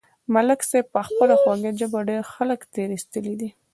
ملک صاحب په خپله خوږه ژبه ډېر خلک تېر ایستلي دي.